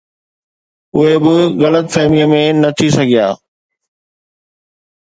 اهي به غلط فهميءَ ۾ نه ٿي سگهيا